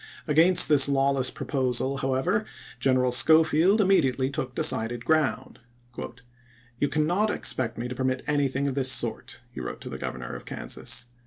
Against this lawless proposal, however. General Schofield immediately took decided ground. " You cannot expect me to permit anything of this sort," he wrote to the Governor of Kansas.